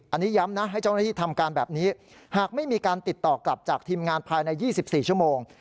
อันนี้ย้ำนะให้เจ้าหน้าที่ทำการแบบนี้หากไม่มีการติดต่อกลับจากทีมงานภายใน๒๔ชั่วโมง